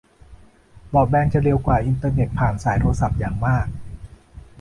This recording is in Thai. บรอดแบนด์จะเร็วกว่าอินเทอร์เน็ตผ่านสายโทรศัพท์อย่างมาก